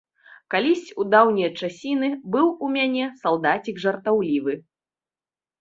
Калісь у даўнія часіны быў у мяне салдацік жартаўлівы.